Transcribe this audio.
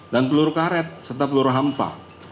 dan peluru karet serta peluru hampa